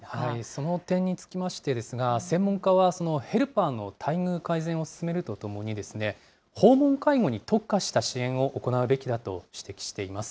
その点につきましてですが、専門家はそのヘルパーの待遇改善を進めるとともにですね、訪問介護に特化した支援を行うべきだと指摘しています。